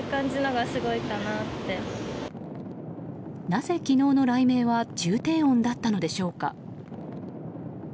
なぜ昨日の雷鳴は重低音だったのでしょうか。